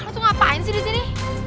lo tuh ngapain sih di sini